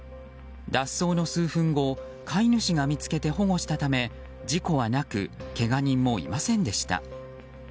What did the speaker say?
脱走の数分後飼い主が見つけて保護したため事故はなくけが人もいませんでした。